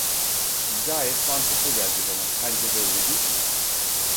Gayet mantıklı geldi bana, sence de öyle değil mi?